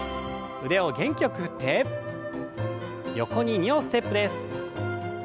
腕を元気よく振って横に２歩ステップです。